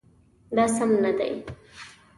دا سم نه دی